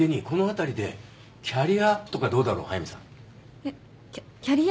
えっキャキャリアアップ？